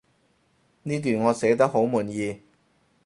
呢段我寫得好滿意